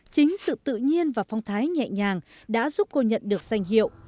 chính sự tự nhiên và phong thái nhẹ nhàng đã giúp cô nhận được danh hiệu